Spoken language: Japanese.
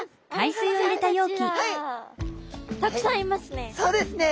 たくさんいますね。